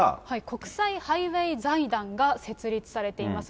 国際ハイウェイ財団が設立されています。